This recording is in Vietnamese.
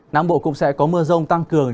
nam bộ cũng sẽ có mưa rông tăng cường